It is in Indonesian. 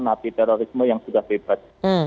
napi terorisme yang sudah bebas